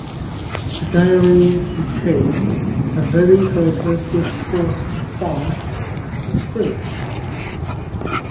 The diary became a very characteristic prose form for Frisch.